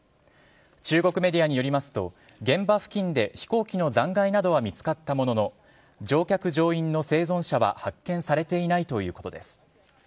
中国メディアによりますと、現場付近で飛行機の残骸などは見つかったものの、乗客・乗員の生存者は発見されていないということです。